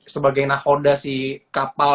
sebagai nahoda si kapal